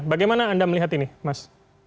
bagaimana anda melihat ini mas